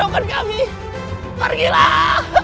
tidak akan kami pergilah